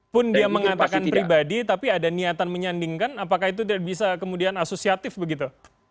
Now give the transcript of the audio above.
pun dia mengatakan pribadi tapi ada niatan menyandingkan apakah itu tidak bisa kemudian asosiatif begitu